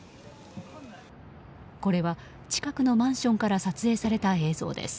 これは近くのマンションから撮影された映像です。